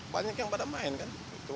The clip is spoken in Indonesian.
banyak yang pada main kan